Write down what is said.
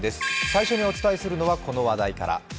最初にお伝えするのはこの話題から。